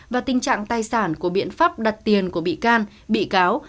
và tình trạng tài sản của biện pháp đặt tiền của bị can bị cáo